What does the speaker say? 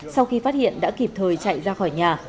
sau khi phát hiện đã kịp thời chạy ra khỏi nhà